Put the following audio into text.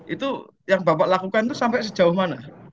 itu yang bapak lakukan itu sampai sejauh mana